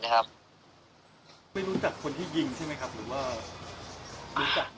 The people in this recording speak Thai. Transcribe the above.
ไม่รู้จักคนที่ยิงใช่มั้ยครับ